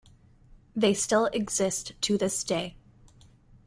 They still exist to this day.